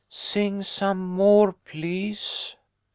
Sing some more, please."